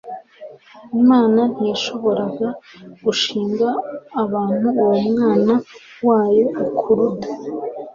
Imana ntiyashoboraga gushinga abantu uwo Mwana wa yo ikuruda,